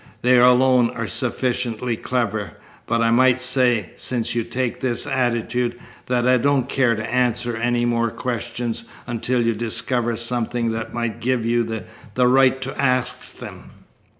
They alone are sufficiently clever. But I might say, since you take this attitude, that I don't care to answer any more questions until you discover something that might give you the right to ask them."